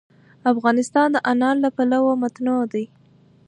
افغانستان د انار له پلوه متنوع دی.